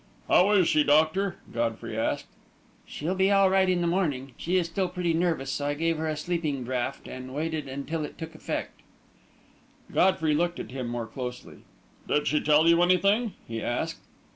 "How is she, doctor?" Godfrey asked. "She'll be all right in the morning. She is still pretty nervous, so I gave her a sleeping draught and waited till it took effect." Godfrey looked at him more closely. "Did she tell you anything?" he asked.